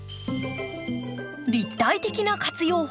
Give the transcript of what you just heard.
立体的な活用法。